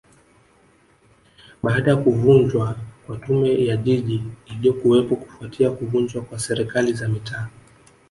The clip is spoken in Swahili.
Baada ya kuvunjwa kwa Tume ya Jiji iliyokuwepo kufuatia kuvunjwa kwa Serikali za Mitaa